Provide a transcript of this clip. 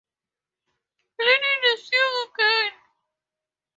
Lenin is young again